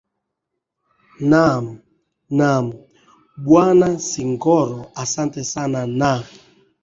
naam naam bwana singoro asante sana naa